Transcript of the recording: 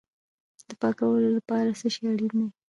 د پاکوالي لپاره څه شی اړین دی؟